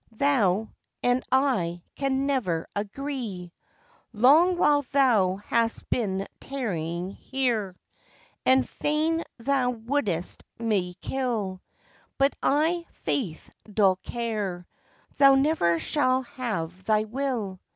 Thou and I can never agree. Long while thou hast been tarrying here, And fain thou wouldst me kill; But i' faith, dull care, Thou never shalt have thy will.